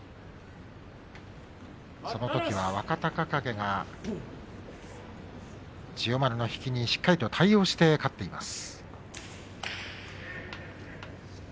そのときは若隆景が千代丸の引きにしっかりと対応して勝っています。